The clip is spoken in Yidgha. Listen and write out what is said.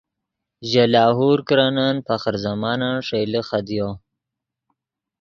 ژے لاہور کرنن فخر زمانن ݰئیلے خدیو